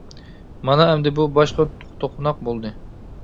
مانا ئەمدى بۇ باشقا توقۇناق بولدى.